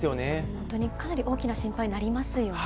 本当にかなり大きな心配になりますよね。